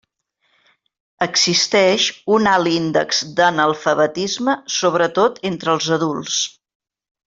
Existeix un alt índex d'analfabetisme sobretot entre els adults.